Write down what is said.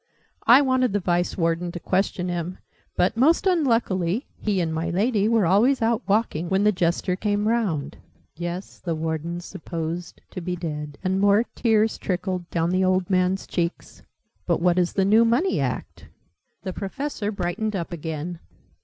I wanted the Vice Warden to question him, but, most unluckily, he and my Lady were always out walking when the Jester came round. Yes, the Warden's supposed to be dead!" And more tears trickled down the old man's cheeks. "But what is the new Money Act?" The Professor brightened up again.